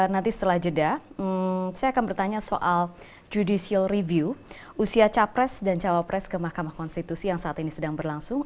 nanti setelah jeda saya akan bertanya soal judicial review usia capres dan cawapres ke mahkamah konstitusi yang saat ini sedang berlangsung